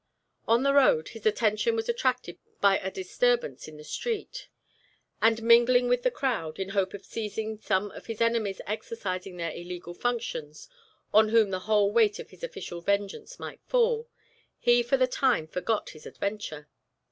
On the road, his attention was attracted by a disturbance in the street, and mingling with the crowd, in hope of seizing some of his enemies exercising their illegal functions on whom the whole weight of his official vengeance might fall, he for the time forgot his adventure.